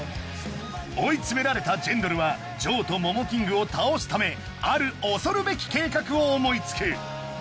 追い詰められたジェンドルはジョーとモモキングを倒すためある恐るべき計画を思いつく！